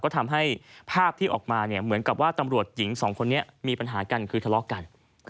ก็ทำให้ภาพที่ออกมาเหมือนกับว่าตำรวจหญิงสองคนนี้มีปัญหากันคือทะเลาะกัน